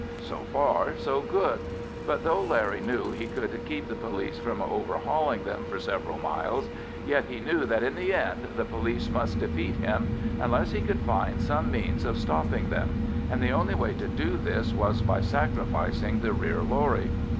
So far so good; but though Larry knew he could keep the police from overhauling them for several miles, yet he knew that in the end the police must defeat him, unless he could find some means of stopping them, and the only way to do this was by sacrificing the rear lorry.